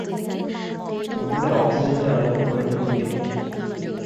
നമ്മുടെ ഓക്സിജന്റെ അളവ് കുറഞ്ഞുകൊണ്ടിരിക്കും